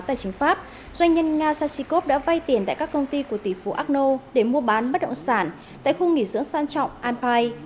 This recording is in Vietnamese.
tại trình pháp doanh nhân nga shashikov đã vay tiền tại các công ty của tỷ phú akno để mua bán bất động sản tại khu nghỉ dưỡng sang trọng an pai